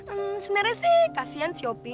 ehm sebenarnya sih kasian sih